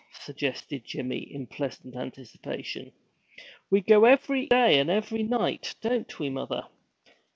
suggested Jimmy, in pleasant anticipation. 'We go every day and every night, don't we, mother?'